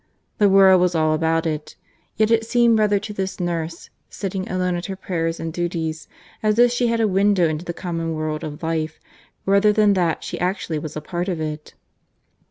The world was all about it; yet it seemed rather to this nurse, sitting alone at her prayers and duties, as if she had a window into the common world of life rather than that she actually was a part of it.